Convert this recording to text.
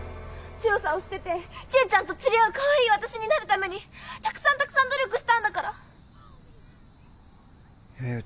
強さを捨ててちーちゃんとつり合うかわいい私になるためにたくさんたくさん努力したんだからやよ